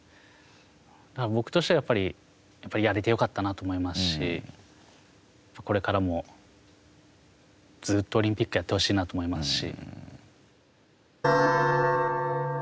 僕としてはやれてよかったなと思いますし、これからもずうっとオリンピックをやってほしいなと思いますし。